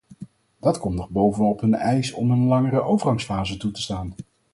Dat komt nog bovenop hun eis om een langere overgangsfase toe te staan.